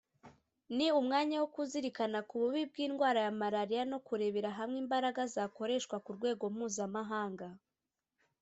ni umwanya wo kuzirikana ku bubi bw’indwara ya malariya no kurebera hamwe imbaraga zakoreshwa ku rwego mpuzamahanga